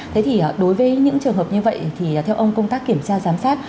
thế thì đối với những trường hợp như vậy thì theo ông công tác kiểm tra giám sát